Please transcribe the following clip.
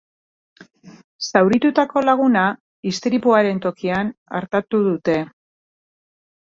Zauritutako laguna istripuaren tokian artatu dute.